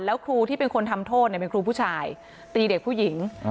แล้วครูที่เป็นคนทำโทษเป็นครูผู้ชายตีเด็กผู้หญิง